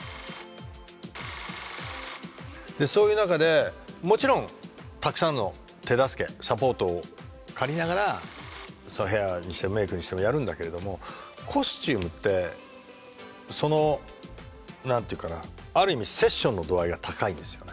でそういう中でもちろんたくさんの手助けサポートを借りながらヘアにしてもメイクにしてもやるんだけれどもコスチュームって何て言うかなある意味セッションの度合いが高いんですよね